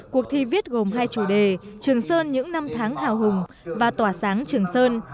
cuộc thi viết gồm hai chủ đề trường sơn những năm tháng hào hùng và tỏa sáng trường sơn